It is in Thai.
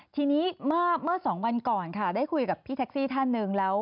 ทีนี้เมื่อสองวันก่อนค่ะได้คุยกับพี่แท็กซี่ท่านหนึ่งแล้ว